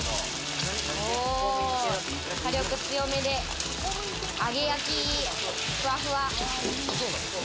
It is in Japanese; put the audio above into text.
火力強めで揚げ焼き、ふわふわ。